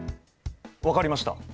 分かりました。